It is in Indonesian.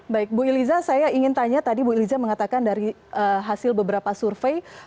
baik bu iliza saya ingin tanya tadi bu iliza mengatakan dari hasil beberapa survei